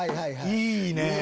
いいね。